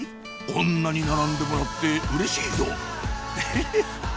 こんなに並んでもらってうれしいぞエヘヘ！